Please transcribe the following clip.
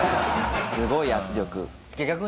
すごい圧力。